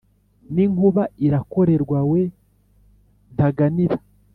N'inkuba irakorerwa we ntaganira,